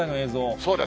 そうです。